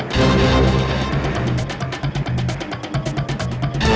lo sudah bisa berhenti